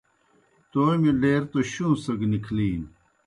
تومیْ ڈیر توْ شُوں سگہ نِکھلِینوْ